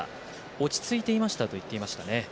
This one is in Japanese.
落ち着いていましたと言っていましたね。